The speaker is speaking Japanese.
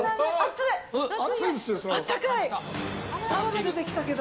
泡が出てきたけど。